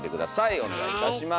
お願いいたします。